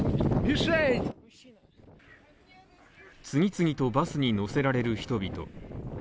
次々とバスに乗せられる人々。